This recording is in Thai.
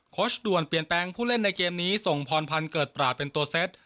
ชด่วนเปลี่ยนแปลงผู้เล่นในเกมนี้ส่งพรพันธ์เกิดปราศเป็นตัวเซ็ต